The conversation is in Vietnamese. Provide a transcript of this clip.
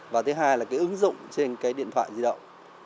và thứ hai là ứng dụng trên điện thoại di động